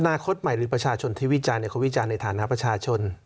คตใหม่หรือประชาชนที่วิจารณ์เขาวิจารณ์ในฐานะประชาชน